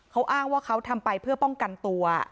เขาอ้างว่าเขาทำไปเพื่อป้องกันตัว